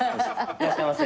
いらっしゃいませ。